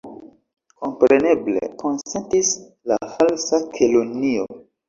"Kompreneble," konsentis la Falsa Kelonio.